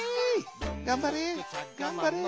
「がんばれ！」。